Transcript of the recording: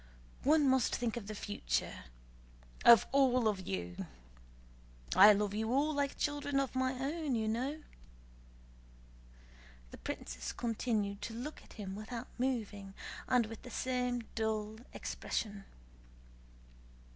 One must think of the future, of all of you... I love you all, like children of my own, as you know." The princess continued to look at him without moving, and with the same dull expression.